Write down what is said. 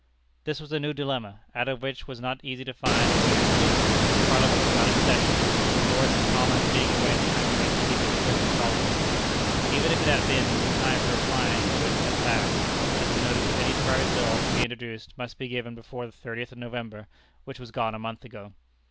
This was a new dilemma, out of which it was not easy to find a way of relief. Parliament was not in session, Lords and Commons being away in the country keeping the Christmas holidays. Even if it had been, the time for applying to it had passed, as a notice of any private bill to be introduced must be given before the thirtieth of November, which was gone a month ago.